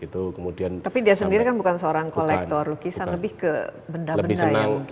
tapi dia sendiri kan bukan seorang kolektor lukisan lebih ke benda benda yang